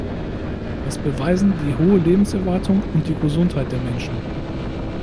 Das beweisen die hohe Lebenserwartung und die Gesundheit der Menschen.